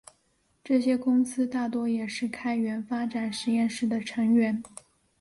这些公司大多也是开源发展实验室的成员。